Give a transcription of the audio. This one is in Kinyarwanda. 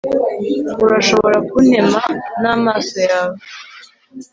urashobora kuntema n'amaso yawe